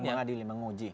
bukan mengadili menguji